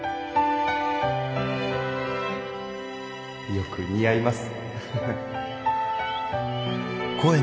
よく似合います。